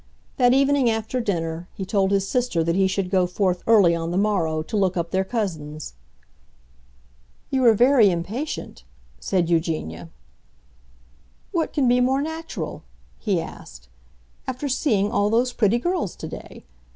That evening, after dinner, he told his sister that he should go forth early on the morrow to look up their cousins. "You are very impatient," said Eugenia. "What can be more natural," he asked, "after seeing all those pretty girls today?